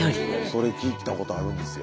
それ聞いたことあるんですよ。